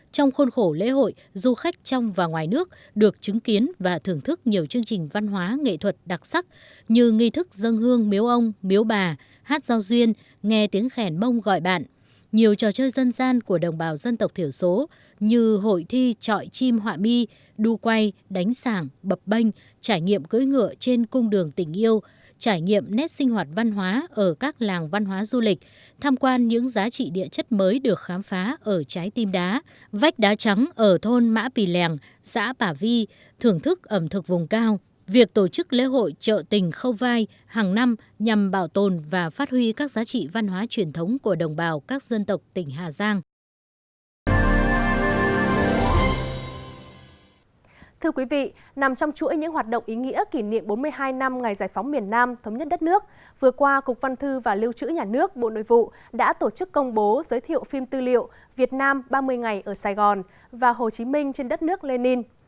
thưa quý vị nằm trong chuỗi những hoạt động ý nghĩa kỷ niệm bốn mươi hai năm ngày giải phóng miền nam thống nhất đất nước vừa qua cục văn thư và liêu chữ nhà nước bộ nội vụ đã tổ chức công bố giới thiệu phim tư liệu việt nam ba mươi ngày ở sài gòn và hồ chí minh trên đất nước lenin